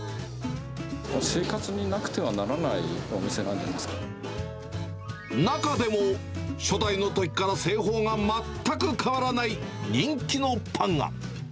生活になくてはならないお店中でも、初代のときから製法が全く変わらない人気のパンが。